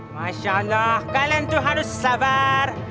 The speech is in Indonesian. masya allah kalian tuh harus sabar